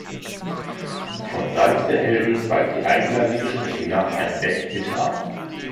Von Salzderhelden zweigt die eingleisige Strecke nach Einbeck Mitte ab.